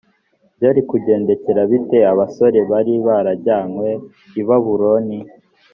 byari kugendekera bite abasore bari barajyanywe i babuloni?